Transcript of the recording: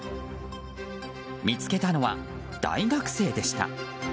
見つけたのは大学生でした。